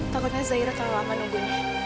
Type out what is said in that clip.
takutnya zairah tahu aku nunggu